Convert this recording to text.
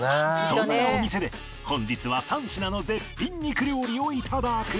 そんなお店で本日は３品の絶品肉料理を頂く